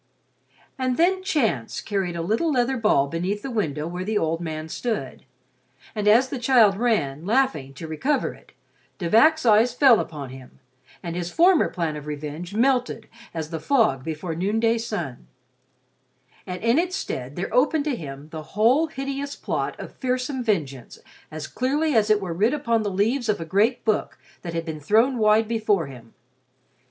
And then Chance carried a little leather ball beneath the window where the old man stood; and as the child ran, laughing, to recover it, De Vac's eyes fell upon him, and his former plan for revenge melted as the fog before the noonday sun; and in its stead there opened to him the whole hideous plot of fearsome vengeance as clearly as it were writ upon the leaves of a great book that had been thrown wide before him.